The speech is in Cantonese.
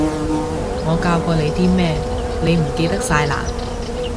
我教過你啲咩，你唔記得晒嘞？